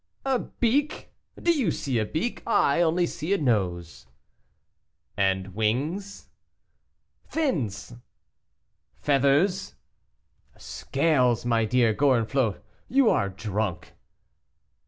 "A beak! do you see a beak? I only see a nose." "And wings?" "Fins!" "Feathers?" "Scales, my dear Gorenflot, you are drunk."